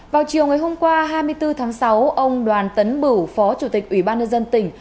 vào chiều ngày hôm qua hai mươi bốn tháng sáu ông đoàn tấn bửu phó chủ tịch ủy ban nhân dân tỉnh